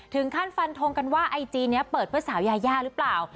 ถึงขั้นฟันทงกันว่าไอจีนเนี้ยเปิดเพื่อสายายาหรือเปล่า